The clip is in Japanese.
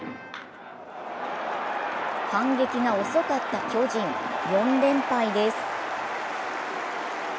反撃が遅かった巨人、４連敗です。